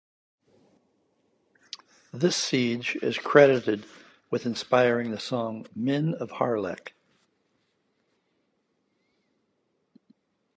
This siege is credited with inspiring the song "Men of Harlech".